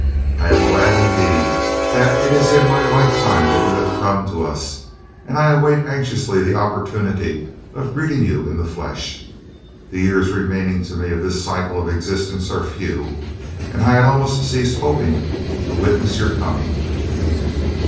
I am glad indeed that it is in my lifetime that you have come to us, and I await anxiously the opportunity of greeting you in the flesh. The years remaining to me of this cycle of existence are few, and I had almost ceased hoping to witness your coming."